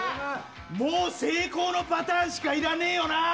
もう成功のパターンしかいらねえよな？